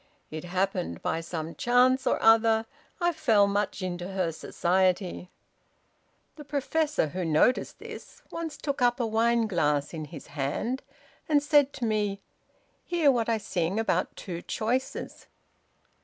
It happened by some chance or other I fell much into her society. The professor, who noticed this, once took up a wine cup in his hand, and said to me, 'Hear what I sing about two choices.'